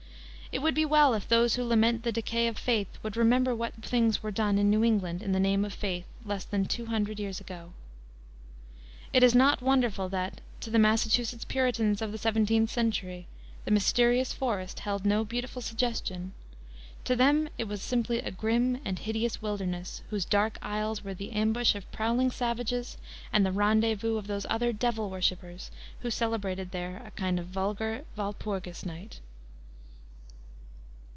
It would be well if those who lament the decay of "faith" would remember what things were done in New England in the name of faith less than two hundred years ago. It is not wonderful that, to the Massachusetts Puritans of the seventeenth century, the mysterious forest held no beautiful suggestion; to them it was simply a grim and hideous wilderness, whose dark aisles were the ambush of prowling savages and the rendezvous of those other "devil worshipers" who celebrated there a kind of vulgar Walpurgis night.